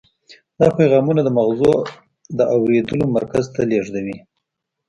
دا پیغامونه د مغزو د اورېدلو مرکز ته لیږدوي.